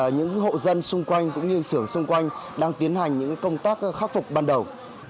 những hộ dân xung quanh cũng như xưởng xung quanh đang tiến hành những công tác khắc phục ban đầu